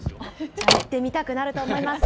じゃあ、行ってみたくなると思います。